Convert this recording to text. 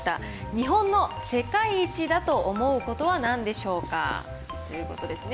日本の世界一だと思うことはなんでしょうか？ということですね。